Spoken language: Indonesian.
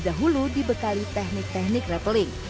sebelum menerima air terjun kita akan terburu